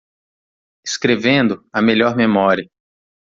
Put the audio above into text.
Escrevendo? a melhor memória.